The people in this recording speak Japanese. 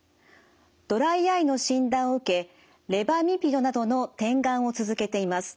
ドライアイの診断を受けレバミピドなどの点眼を続けています。